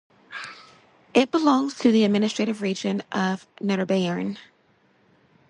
It belongs to the administrative region of Niederbayern.